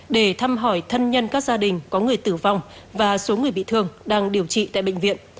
để thăm hỏi thân nhân các gia đình có người tử vong và số người bị thương đang điều trị tại bệnh viện